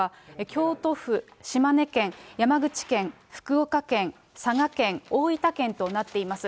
京都府、島根県、山口県、福岡県、佐賀県、大分県となっています。